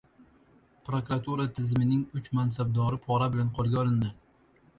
Prokuratura tizimining uch mansabdori pora bilan qo‘lga olindi